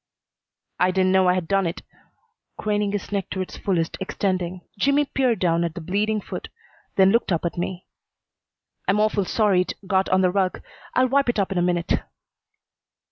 "I didn't know I'd done it." Craning his neck to its fullest extending. Jimmy peered down at the bleeding foot, then looked up at me. "I'm awful sorry it got on the rug. I'll wipe it up in a minute."